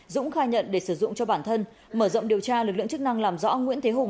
dũng khai nhận để sử dụng cho bản thân mở rộng điều tra lực lượng chức năng làm rõ nguyễn thế hùng